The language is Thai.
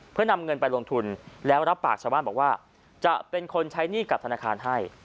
เพื่อนำเงินไปลงทุนแล้วรับปากชาวบ้านบอกว่าจะเป็นคนใช้หนี้กับธนาคารให้